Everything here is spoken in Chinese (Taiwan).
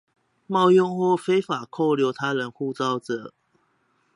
冒用或非法扣留他人護照者